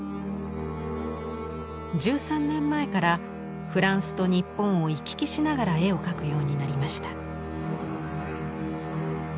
１３年前からフランスと日本を行き来しながら絵を描くようになりました。